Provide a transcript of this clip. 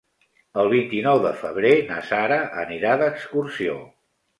El vint-i-nou de febrer na Sara anirà d'excursió.